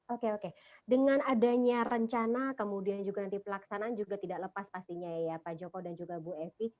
oke oke dengan adanya rencana kemudian juga nanti pelaksanaan juga tidak lepas pastinya ya pak joko dan juga bu evi